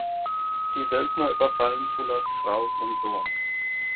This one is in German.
Die Söldner überfallen Fullers Frau und Sohn.